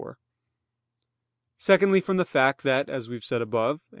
iv): secondly from the fact that, as we have said above (A.